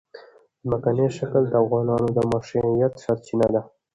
ځمکنی شکل د افغانانو د معیشت سرچینه ده.